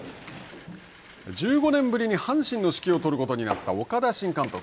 １５年ぶりに阪神の指揮を執ることになった岡田新監督。